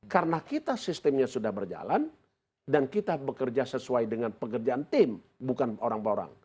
karena kita sistemnya sudah berjalan dan kita bekerja sesuai dengan pekerjaan tim bukan orang per orang